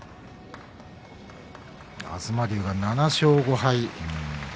東龍が７勝５敗。